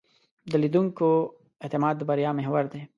د لیدونکو اعتماد د بریا محور دی.